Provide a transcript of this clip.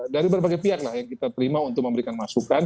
dari berbagai pihak lah yang kita terima untuk memberikan masukan